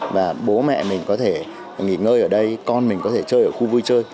và bố mẹ mình có thể nghỉ ngơi ở đây con mình có thể chơi ở khu vui chơi